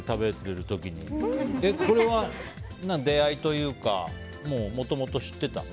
これは出会いというかもともと知ってたの？